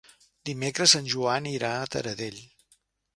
Dimecres en Joan irà a Taradell.